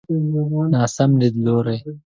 ناسم ليدلوری.